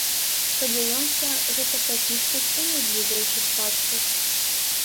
Спадзяёмся, гэта пафіксяць у найбліжэйшых патчах!